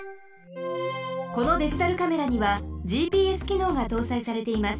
このデジタルカメラにはＧＰＳきのうがとうさいされています。